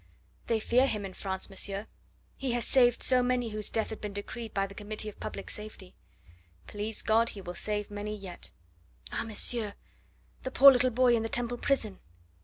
"They fear him in France, monsieur. He has saved so many whose death had been decreed by the Committee of Public Safety." "Please God, he will save many yet." "Ah, monsieur, the poor little boy in the Temple prison!"